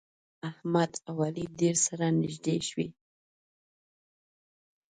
احمد او علي ډېر سره نږدې شوي.